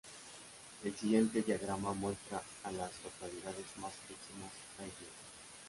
El siguiente diagrama muestra a las localidades más próximas a Eagle.